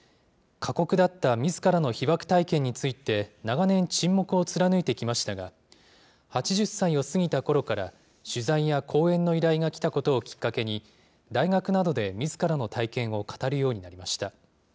過酷だったみずからの被爆体験について、長年沈黙を貫いてきましたが、８０歳を過ぎたころから、取材や講演の依頼が来たことをきっかけに、大学などでみずからの体験を語るようになりました。